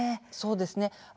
そうですね。